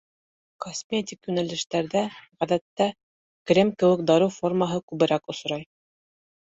Косметик йүнәлештәрҙә, ғәҙәттә, крем кеүек дарыу формаһы күберәк осрай.